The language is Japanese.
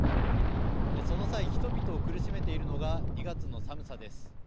その際、人々を苦しめているのが２月の寒さです。